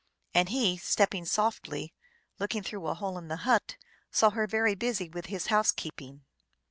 And he, stepping softly, looking through a hole in the hut, saw her very busy with his housekeeping.